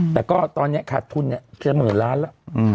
แต่ก็ตอนนี้ขาดทุนเกือบหมื่นล้านแล้ว